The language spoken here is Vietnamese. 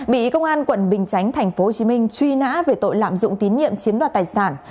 bị công an quận bình chánh tp hcm truy nã về tội lạm dụng tín nhiệm chiếm đoạt tài sản